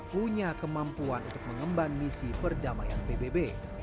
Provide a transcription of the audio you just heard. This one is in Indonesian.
punya kemampuan untuk mengemban misi perdamaian pbb